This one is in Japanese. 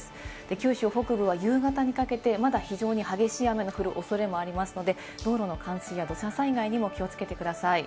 九州北部は夕方にかけてまだ非常に激しい雨の降るおそれもありますので、道路の冠水や土砂災害にも気をつけてください。